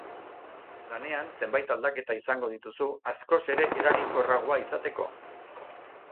Lanean zenbait aldaketa izango dituzu, askoz ere eraginkorragoa izateko.